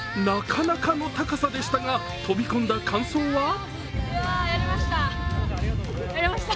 なかなかの高さでしたが飛び込んだ感想は？